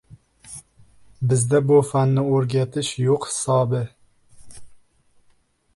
Bizda bu fanni o‘rgatish yo‘q hisobi.